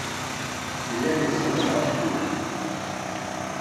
Llan ẓẓlen ɣef tuga.